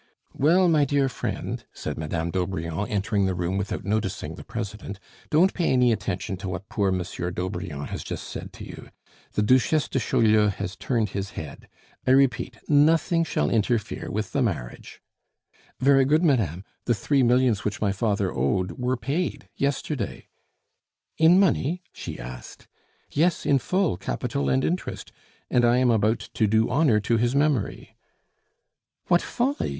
"Well, my dear friend," said Madame d'Aubrion, entering the room without noticing the president, "don't pay any attention to what poor Monsieur d'Aubrion has just said to you; the Duchesse de Chaulieu has turned his head. I repeat, nothing shall interfere with the marriage " "Very good, madame. The three millions which my father owed were paid yesterday." "In money?" she asked. "Yes, in full, capital and interest; and I am about to do honor to his memory " "What folly!"